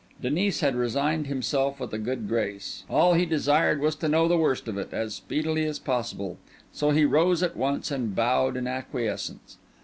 Denis had resigned himself with a good grace—all he desired was to know the worst of it as speedily as possible; so he rose at once, and bowed in acquiescence.